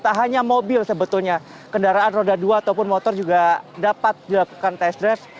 tak hanya mobil sebetulnya kendaraan roda dua ataupun motor juga dapat dilakukan tes drive